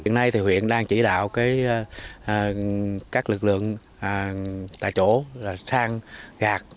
hiện nay thì huyện đang chỉ đạo các lực lượng tại chỗ sang gạt